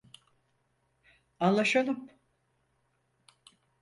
Anlaşalım.